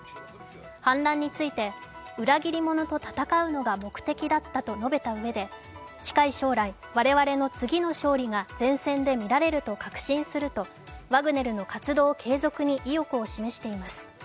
反乱について、裏切り者と戦うのが目的だったと述べたうえで近い将来、我々の次の勝利が前線でみられると確信するとワグネルの活動継続に意欲を示しています。